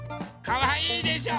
かわいいでしょ？